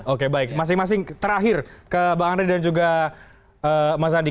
oke baik masing masing terakhir ke bang andre dan juga mas andi